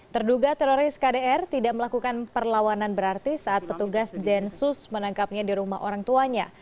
terduga teroris kdr tidak melakukan perlawanan berarti saat petugas densus menangkapnya di rumah orang tuanya